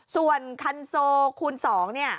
ส่วนคันโซคูณ๒เนี่ย